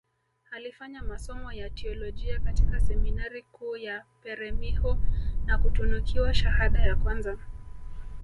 Alifanya masomo ya Teolojia katika seminari kuu ya peremiho na kutunukiwa shahada ya kwanza